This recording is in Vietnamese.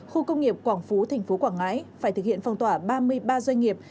khu công nghiệp quảng phú thành phố quảng ngãi phải thực hiện phong tỏa ba mươi ba doanh nghiệp